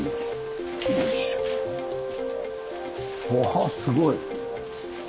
わあすごい。